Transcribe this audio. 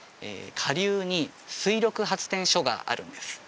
下流に水力発電所があるんです